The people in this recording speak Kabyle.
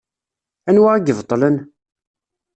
Anwa i ibeṭṭlen?